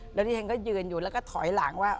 แล้วที่ฉันก็ยืนอยู่แล้วก็ถอยหลังว่า